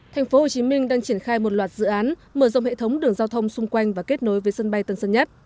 tp hcm đang triển khai một loạt dự án mở rộng hệ thống đường giao thông xung quanh và kết nối với sân bay tân sơn nhất